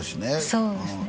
そうですね